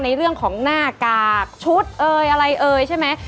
ในเรื่องของหน้ากากชุดเอ่ยอะไรเอ่ยใช่ไหม